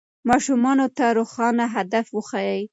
ماشومانو ته روښانه هدف وښیئ.